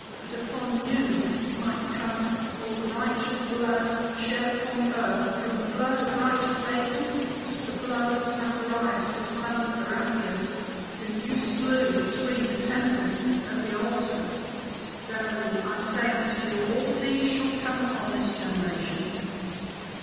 That upon you might come all the righteous blood shed upon earth, from the blood of righteous Abel to the blood of Zacharias, the son of Barachias, whom ye slew between the temple and the altar. Verily I say unto you all these shall come upon this generation!